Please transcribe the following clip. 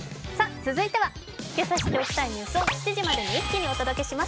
続いては今朝知っておきたいニュースを７時までに一気にお届けします。